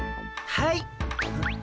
はい。